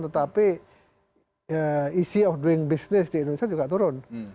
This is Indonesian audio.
tetapi isi of doing business di indonesia juga turun